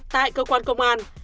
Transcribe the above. tại cơ quan công an